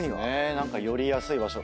何か寄りやすい場所